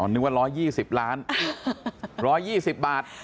อ๋อนึกว่าร้อยยี่สิบล้านร้อยยี่สิบบาท